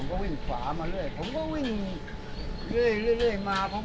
ผมก็วิ่งฝามาเรื่อยเรื่อยมาเพราะผมจะเรียบกลับอุป